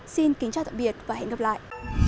xin kính chào tạm biệt và hẹn gặp lại